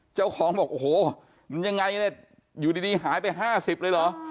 เจ้าของบอกโอ้โหมันยังไงเนี่ยอยู่ดีหายไป๕๐เลยเหรอ